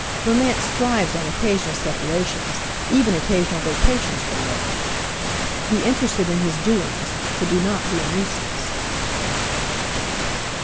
(Romance thrives on occasional separations, even occasional vacations from marriage.) Be interested in his doings, but do not be a nuisance.